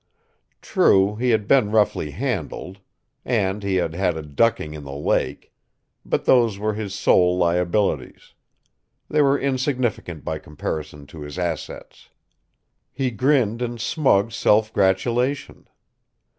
True, he had been roughly handled. And he had had a ducking in the lake. But those were his sole liabilities. They were insignificant by comparison to his assets. He grinned in smug self gratulation.